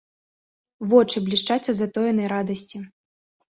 Вочы блішчаць ад затоенай радасці.